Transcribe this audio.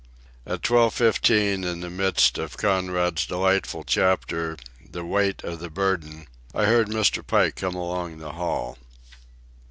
At twelve fifteen, in the midst of Conrad's delightful chapter, "The Weight of the Burden," I heard Mr. Pike come along the hall.